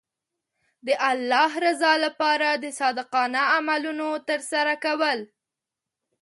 د الله رضا لپاره د صادقانه عملونو ترسره کول.